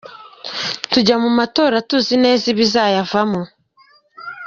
Tujya mu matora tuzi neza ibizayavamo.